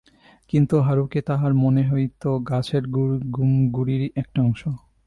কিন্তু হারুকে তাহার মনে হইত গাছের গুড়িরই একটা অংশ।